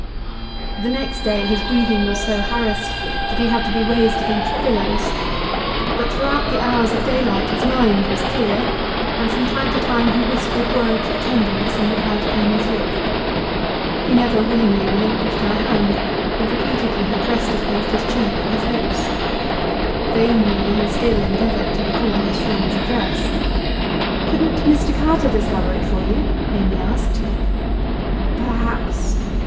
The next day his breathing was so harassed that he had to be raised against pillows. But throughout the hours of daylight his mind was clear, and from time to time he whispered words of tenderness in reply to Amy's look. He never willingly relinquished her hand, and repeatedly he pressed it against his cheek or lips. Vainly he still endeavoured to recall his friend's address. 'Couldn't Mr Carter discover it for you?' Amy asked. 'Perhaps.